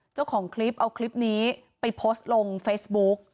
เจ้าของคลิปเอาคลิปนี้ไปโพสต์ลงเฟซบุ๊ก